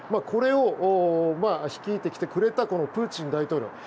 これを率いてきてくれたプーチン大統領